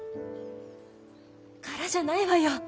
柄じゃないわよ。